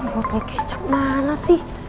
botol kecap mana sih